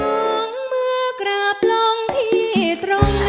มองเบอร์กลับลองที่ตรงนึง